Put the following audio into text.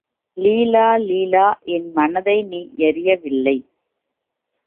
லீலா, லீலா என் மனதை நீ யறியவில்லை.